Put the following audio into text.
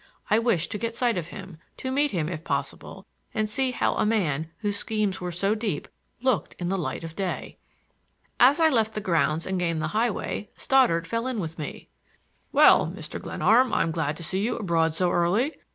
I wished to get sight of him,— to meet him, if possible, and see how a man, whose schemes were so deep, looked in the light of day. As I left the grounds and gained the highway Stoddard fell in with me. "Well, Mr. Glenarm, I'm glad to see you abroad so early.